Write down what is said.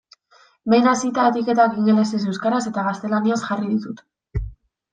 Behin hasita, etiketak ingelesez, euskaraz eta gaztelaniaz jarri ditut.